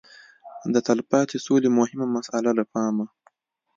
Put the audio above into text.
د تلپاتې سولې مهمه مساله له پامه